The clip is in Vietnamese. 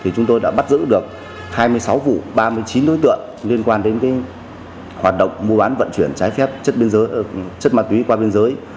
chúng tôi đã bắt giữ được hai mươi sáu vụ ba mươi chín đối tượng liên quan đến hoạt động mua bán vận chuyển trái phép chất ma túy qua biên giới